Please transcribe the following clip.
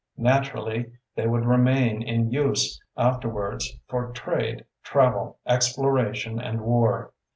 Naturally they would remain in use afterwards for trade, travel, exploration, and war.